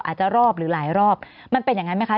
อาจจะรอบหรือหลายรอบมันเป็นอย่างนั้นไหมคะ